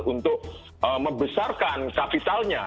untuk membesarkan kapitalnya